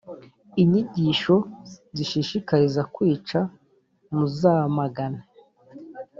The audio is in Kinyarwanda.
inyigisho zishishikariza kwica muzamagane.